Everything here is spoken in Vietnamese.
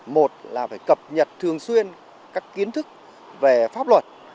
một là phải cập nhật thường xuyên các kiến thức về pháp luật